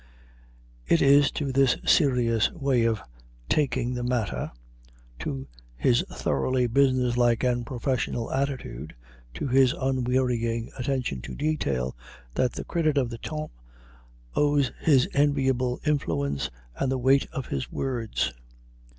It is to this serious way of taking the matter, to his thoroughly businesslike and professional attitude, to his unwearying attention to detail, that the critic of the "Temps" owes his enviable influence and the weight of his words.